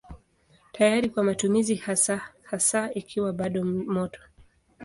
Tayari kwa matumizi hasa hasa ikiwa bado moto.